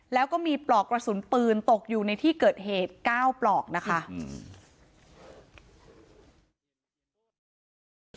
แล้วก็มีปลอกกระสุนปืนตกอยู่ในที่เกิดเหตุเก้าปลอกนะคะอืม